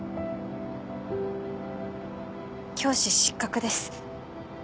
教師失格です。